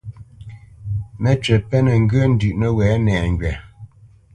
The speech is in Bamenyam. Məcywǐ pɛ́nə ŋgyə̂ ndʉ̌ʼ nəwɛ̌ nɛŋgywa.